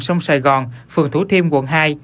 sông sài gòn phường thủ thiêm quận hai